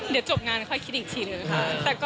เดี๋ยวจบงานค่อยคิดอีกทีหนึ่งค่ะ